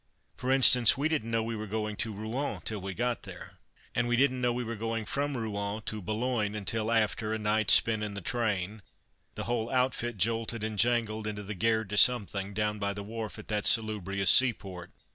For instance, we didn't know we were going to Rouen till we got there; and we didn't know we were going from Rouen to Boulogne until, after a night spent in the train, the whole outfit jolted and jangled into the Gare de Something, down by the wharf at that salubrious seaport.